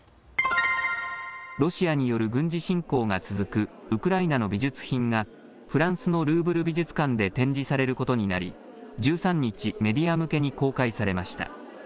ロシアによる軍事侵攻が続くウクライナの美術品がフランスのルーブル美術館で展示されることになり１３日、メディア向けに公開されました。